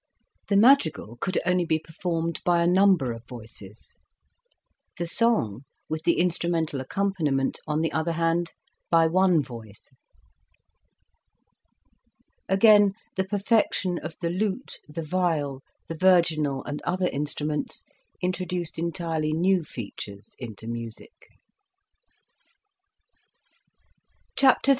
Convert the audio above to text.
The madrigal could only be performed by a number of voices ; the song, with the instrumental accompaniment, on the other hand, by one voice. Again, the perfection of the lute, the viol, the virginal and other instruments, introduced entirely new features into music. Introduction.